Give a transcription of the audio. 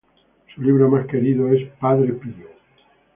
Su libro más querido es "Padre Pío.